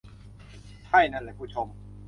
ใช่ นั่นแหละ ผู้ชม